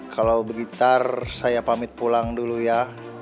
kalau blitar saya pamit pulang dulu ya